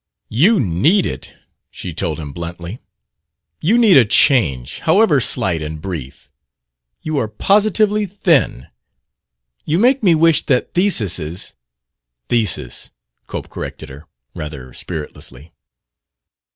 "You need it," she told him bluntly; " you need a change, however slight and brief. You are positively thin. You make me wish that thesises " "Theses," Cope corrected her, rather spiritlessly.